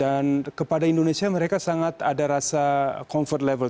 dan kepada indonesia mereka sangat ada rasa comfort level